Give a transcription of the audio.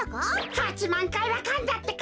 ８まんかいはかんだってか。